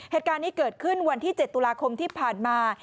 เหตุการณ์นี้เกิดขึ้นวันที่๗ตุลาคมที่ผ่านมา